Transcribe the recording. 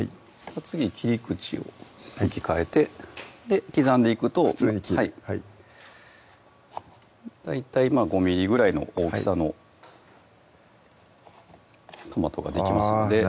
次切り口を向き変えて刻んでいくと普通に切るはい大体５ｍｍぐらいの大きさのトマトができますのであぁ